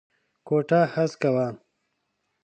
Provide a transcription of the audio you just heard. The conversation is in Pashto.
کوټه هسکه وه.